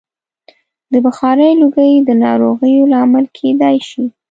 د بخارۍ لوګی د ناروغیو لامل کېدای شي.